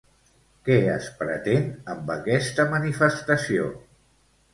Què es pretén amb aquesta manifestació?